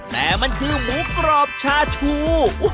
แต่มันคือหมูกรอบชาชู